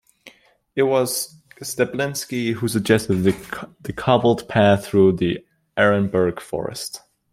It was Stablinski who suggested the cobbled path through the Arenberg forest.